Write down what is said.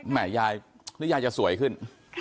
แม่ยายหรือยายจะสวยขึ้น